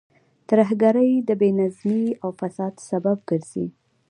ترهګرۍ د بې نظمۍ او فساد سبب ګرځي.